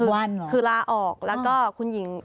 วันคือลาออกแล้วก็คุณหญิง